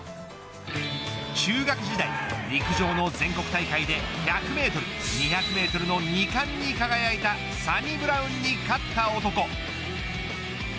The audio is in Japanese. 中学時代、陸上の全国大会で１００メートル２００メートルの二冠に輝いたサニブラウンに勝った男。